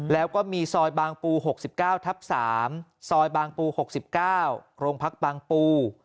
แล้วก็มีซอยบางปู๖๙ทับ๓ซอยบางปู๖๙โรงพักบางปู